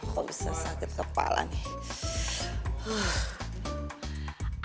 kok bisa sakit kepala nih